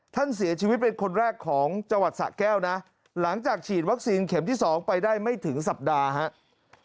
ท่านเสียชีวิตเป็นคนแรกของจังหวัดสะแก้วนะหลังจากฉีดวัคซีนเข็มที่๒ไปได้ไม่ถึงสัปดาห์ครับ